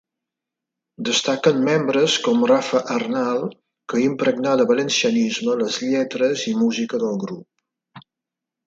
Destaquen membres com Rafa Arnal que impregnà de valencianisme les lletres i música del grup.